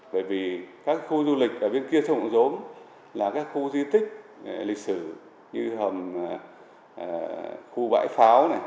bởi vì các khu du lịch ở bên kia sông là các khu di tích lịch sử như hầm khu bãi pháo này